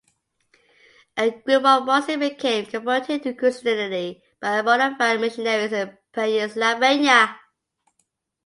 A group of Munsee became converted to Christianity by Moravian missionaries in Pennsylvania.